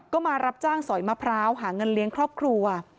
ก็มารับจ้างสอยมะพร้าวหาเงินเลี้ยงครอบครัว